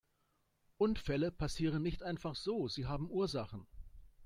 Unfälle passieren nicht einfach so, sie haben Ursachen.